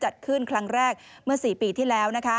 จัดขึ้นครั้งแรกเมื่อ๔ปีที่แล้ว